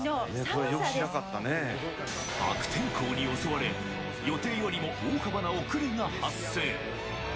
悪天候に襲われ、予定よりも大幅な遅れが発生。